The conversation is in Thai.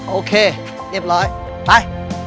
โอเคเรียบร้อยไป